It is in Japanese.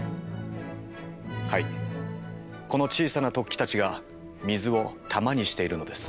はいこの小さな突起たちが水を玉にしているのです。